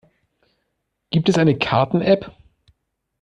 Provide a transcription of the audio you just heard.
Gibt es eine Karten-App?